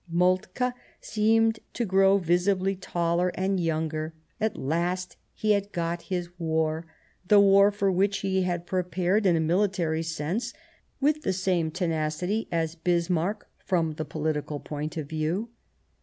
Moltke seemed to grow visibly taller and younger ; 128 The War of 1870 at last he had got his war, the war for which he had prepared in a mihtary sense with the same tenacity as Bismarck from the pohtical point of view.